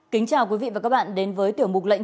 kính chào quý vị và các bạn đến với tiểu mục lệnh truy nã